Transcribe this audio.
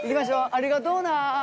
ありがとうな。